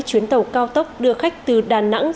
chuyến tàu cao tốc đưa khách từ đà nẵng